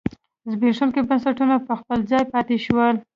زبېښونکي بنسټونه په خپل ځای پاتې شول.